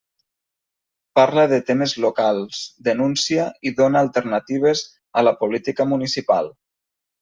Parla de temes locals, denúncia i dóna alternatives a la política municipal.